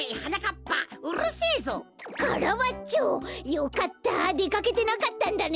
よかったでかけてなかったんだね。